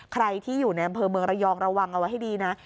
ใครที่อยู่ในอำเภอเมืองระยองระวังเอาไว้ให้ดีนะ